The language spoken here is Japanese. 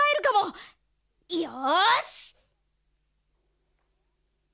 よし！